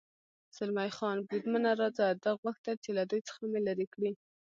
زلمی خان: بریدمنه، راځه، ده غوښتل چې له دوی څخه مې لرې کړي.